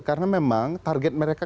karena memang target mereka